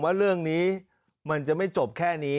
ครับ